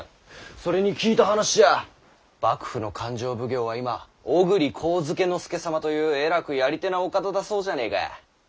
それに聞いた話じゃ幕府の勘定奉行は今小栗上野介様というえらくやり手なお方だそうじゃねぇか。